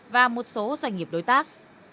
và một số doanh nghiệp đối tác